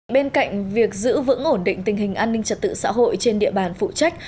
bên cạnh việc giữ vững ổn định tình hình an ninh trật tự xã hội trên địa bàn phụ trách